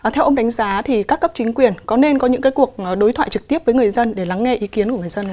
theo ông đánh giá thì các cấp chính quyền có nên có những cuộc đối thoại trực tiếp với người dân để lắng nghe ý kiến của người dân